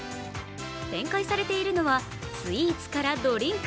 展開されているのはスイーツからドリンク